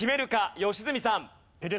良純さん。